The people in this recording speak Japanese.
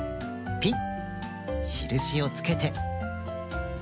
ピッ！